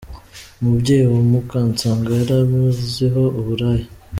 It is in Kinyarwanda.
Umubyeyi wa Mukansanga yari amuziho uburaya.